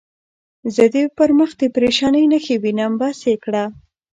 زه دې پر مخ د پرېشانۍ نښې وینم، بس یې کړه.